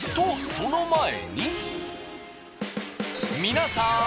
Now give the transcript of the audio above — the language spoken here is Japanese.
皆さん